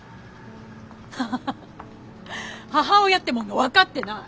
ハハハ母親ってもんが分かってない。